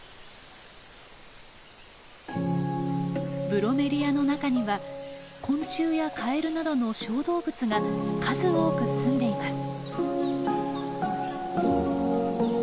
ブロメリアの中には昆虫やカエルなどの小動物が数多くすんでいます。